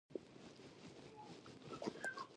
د بولان پټي د افغانستان په ستراتیژیک اهمیت کې رول لري.